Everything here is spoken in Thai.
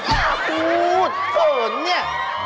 อย่าพูดโอ้โฮนี่